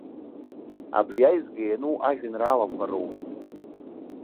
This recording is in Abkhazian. Абри аизга иану ажәеинраалақәа роуп.